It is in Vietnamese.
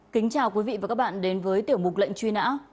kính chào quý vị và các bạn đến với tiểu mục lệnh truy nã